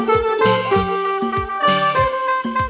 เธอไม่รู้ว่าเธอไม่รู้